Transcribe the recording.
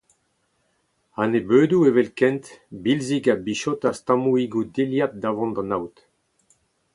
A-nebeudoù evelkent Bilzig a bichotas tammoùigoù dilhad da vont d’an aod.